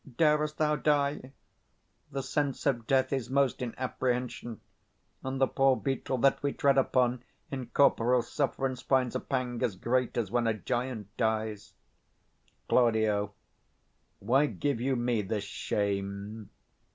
Darest thou die? The sense of death is most in apprehension; 75 And the poor beetle, that we tread upon, In corporal sufferance finds a pang as great As when a giant dies. Claud. Why give you me this shame?